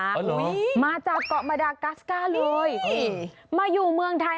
อ๋อเหรอมาจากเกาะมาดากาสก้าเลยมาอยู่เมืองไทย